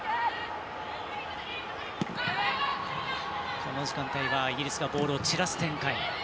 この時間帯はイギリスがボールを散らす展開。